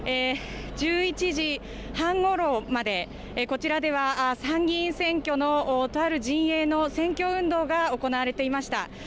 １１時半ごろまでこちらでは参議院選挙のとある陣営の選挙運動が行われていました。